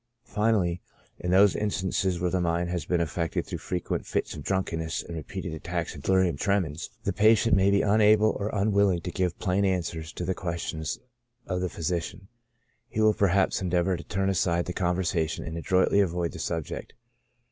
Finally, in those in stances where the mind has been affected through frequent fits of drunkenness and repeated attacks of delirium tre mens, the patient may be unable or unwilling to give plain answers to the questions of the physician ; he will perhaps endeavor to turn aside the conversation, and adroitly avoid the subject.